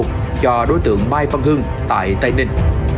cho đối tượng mai văn hương tại tây ninh